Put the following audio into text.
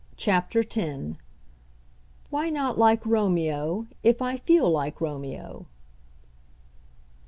CHAPTER X "Why Not Like Romeo If I Feel Like Romeo?"